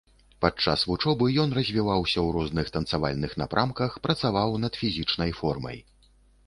Падчас вучобы ён развіваўся ў розных танцавальных напрамках, працаваў над фізічнай формай.